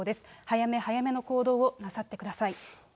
早め早めの行動をなさってください。